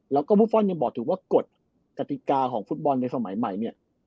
แล้วก็บุฟฟอลยังบอกถูกว่ากฎกติกาของฟุตบอลในสมัยใหม่เนี่ย